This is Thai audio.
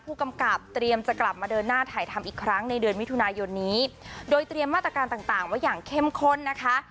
ผู้กำกับเตรียมจะกลับมาเดินหน้าถ่ายทำอีกครั้งในเดือนมิถุนายนนี้โดยเตรียมมาตรการต่างต่างไว้อย่างเข้มข้นนะคะ